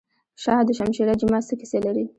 شاه دوشمشیره جومات څه کیسه لري؟